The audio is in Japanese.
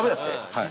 はい。